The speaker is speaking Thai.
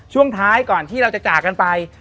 ช่วงท้ายก่อนที่เราจะจากกันไป